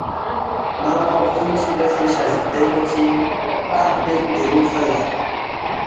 نا لا زوم چی بیوسی شزدے کوچی تھدپن دیرینگ ژھن لا